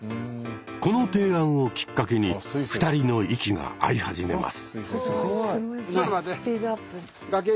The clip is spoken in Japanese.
この提案をきっかけに２人の息が合い始めます。